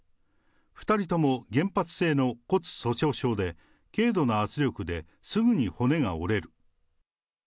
２人とも原発性の骨粗しょう症で、軽度な圧力ですぐに骨が折れる。